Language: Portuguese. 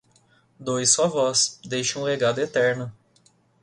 Doe sua voz, deixe um legado eterno